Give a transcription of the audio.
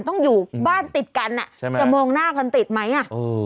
ต้องอยู่บ้านติดกันอ่ะจะมองหน้ากันติดไหมอ่ะ